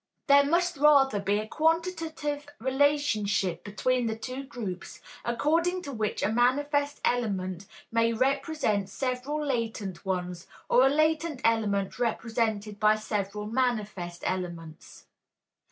There must rather be a quantitative relationship between the two groups, according to which a manifest element may represent several latent ones, or a latent element represented by several manifest elements.